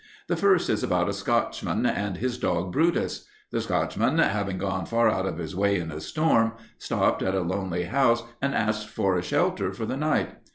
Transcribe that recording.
The first is about a Scotchman and his dog Brutus. The Scotchman, having gone far out of his way in a storm, stopped at a lonely house and asked for a shelter for the night.